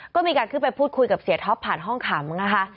ก็มีการขึ้นไปพูดคุยกับเสียท็อปผ่านห้องขำนะคะ